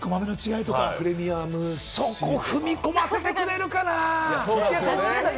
そこ踏み込ませてくれるかな？